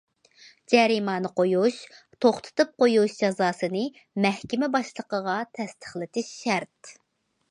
جەرىمانە قويۇش، توختىتىپ قويۇش جازاسىنى مەھكىمە باشلىقىغا تەستىقلىتىش شەرت.